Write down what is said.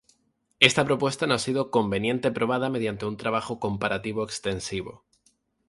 Esta propuesta no ha sido conveniente probada mediante un trabajo comparativo extensivo.